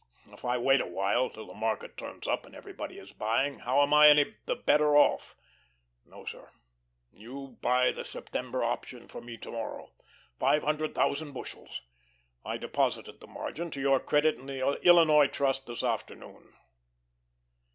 If I wait a while till the market turns up and everybody is buying, how am I any the better off? No, sir, you buy the September option for me to morrow five hundred thousand bushels. I deposited the margin to your credit in the Illinois Trust this afternoon."